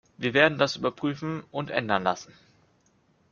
Wir werden das überprüfen und ändern lassen.